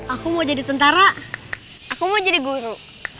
aku mau jadi guru